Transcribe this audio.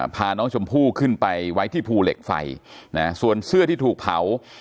พาน้องชมพู่ขึ้นไปไว้ที่ภูเหล็กไฟนะส่วนเสื้อที่ถูกเผา